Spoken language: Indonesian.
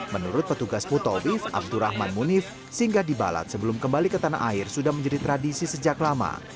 menurut petugas putawif abdurrahman munif singgah di balat sebelum kembali ke tanah air sudah menjadi tradisi sejak lama